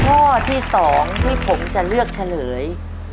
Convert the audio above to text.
ข้อที่๒ที่ผมจะเลือกเฉลย